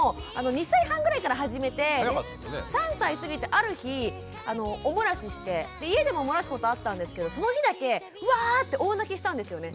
３歳過ぎたある日お漏らしして家でも漏らすことあったんですけどその日だけウワーッて大泣きしたんですよね。